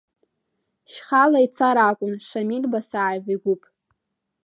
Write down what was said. Шьхала ицар акәын Шамиль Басаев игәыԥ.